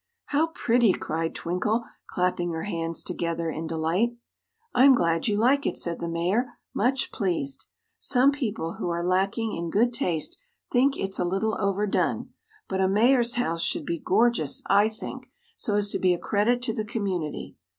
"How pretty!" cried Twinkle, clapping her hands together in delight. "I'm glad you like it," said the Mayor, much pleased. "Some people, who are lacking in good taste, think it's a little overdone, but a Mayor's house should be gorgeous, I think, so as to be a credit to the community.